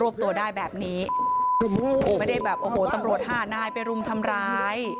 ไม่ได้แบบโอ้โหตำรวจห้านายไปรุมทำร้าย